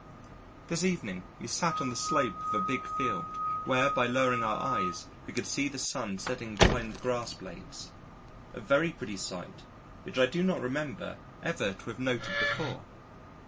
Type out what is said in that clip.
This evening we sat on the slope of a big field where by lowering our eyes we could see the sun setting behind the grass blades a very pretty sight which I do not remember ever to have noted before.